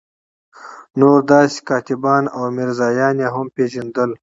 نور داسې کاتبان او میرزایان یې هم پېژندل.